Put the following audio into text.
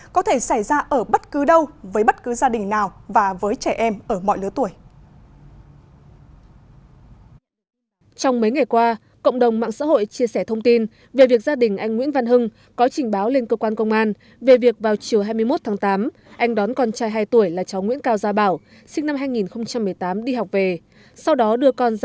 có thể xảy ra ở bất cứ đâu với bất cứ gia đình nào và với trẻ em ở mọi lứa tuổi